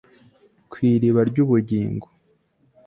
ku iriba ry'ubugingo